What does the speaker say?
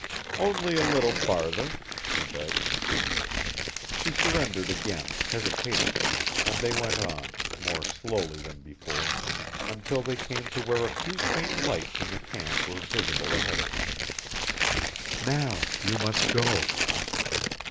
"Only a little farther," he begged. She surrendered again, hesitatingly, and they went on, more slowly than before, until they came to where a few faint lights in the camp were visible ahead of them. "Now now you must go!"